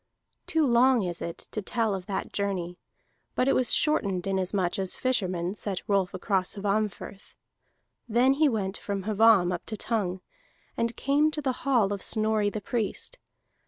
Too long is it to tell of that journey, but it was shortened inasmuch as fishermen set Rolf across Hvammfirth. Then he went from Hvamm up to Tongue, and came to the hall of Snorri the Priest.